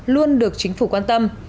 luôn được chính phủ quan tâm